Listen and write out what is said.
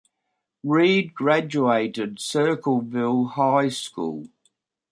Reid graduated Circleville High School.